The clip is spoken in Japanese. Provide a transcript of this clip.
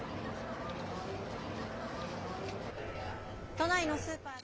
都内のスーパーです。